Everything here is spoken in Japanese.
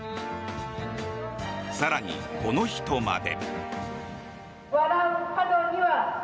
更に、この人まで。